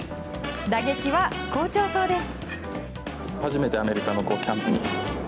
打撃は好調そうです。